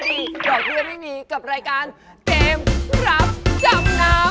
ดอกที่จะไม่มีกับรายการเกมรับจำนำ